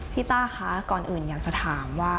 ต้าคะก่อนอื่นอยากจะถามว่า